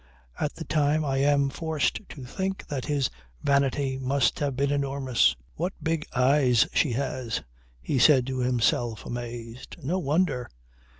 At the time I am forced to think that his vanity must have been enormous. "What big eyes she has," he said to himself amazed. No wonder.